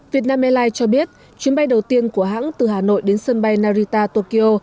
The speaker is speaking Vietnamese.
việt nam airlines cho biết chuyến bay đầu tiên của hãng từ hà nội đến sân bay narita tokyo